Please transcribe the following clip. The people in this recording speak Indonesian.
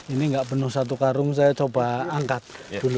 ini nggak penuh satu karung saya coba angkat dulu